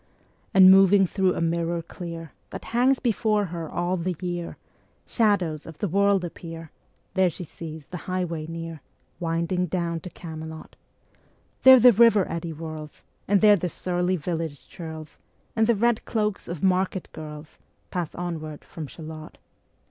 And moving thro' a mirror clear That hangs before her all the year, Shadows of the world appear. There she sees the highway near Ā Ā Winding down to Camelot: There the river eddy whirls, And there the surly village churls, And the red cloaks of market girls, Ā Ā Pass onward from Shalott.